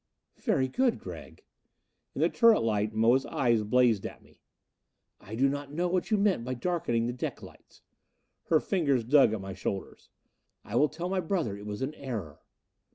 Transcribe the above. "Very good, Gregg." In the turret light Moa's eyes blazed at me. "I do not know what you meant by darkening the deck lights." Her fingers dug at my shoulders. "I will tell my brother it was an error."